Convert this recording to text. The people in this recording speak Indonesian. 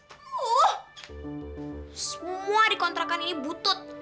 hmm semua di kontrakan ini butut